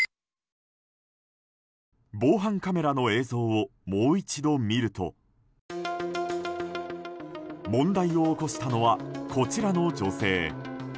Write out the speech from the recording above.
防犯カメラの映像をもう一度見ると問題を起こしたのはこちらの女性。